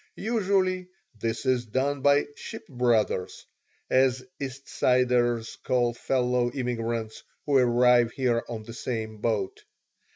Usually this is done by "ship brothers," as East Siders call fellow immigrants who arrive here on the same boat.